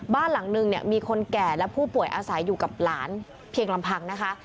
บ้านหลังนึงเนี่ยมีคนแก่และผู้ป่วยอาศัยอยู่กับหลานเพียงลำพังนะคะ